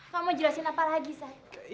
kamu jelasin apa lagi saya